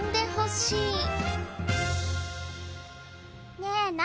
ねえ何？